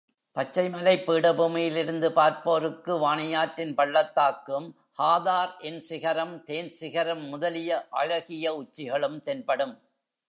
பச்சைமலைப் பீடபூமியிலிருந்து பார்ப்போருக்கு வாணியாற்றின் பள்ளத்தாக்கும், ஹாதார்ன் சிகரம் தேன் சிகரம் முதலிய அழகிய உச்சிகளும் தென்படும்.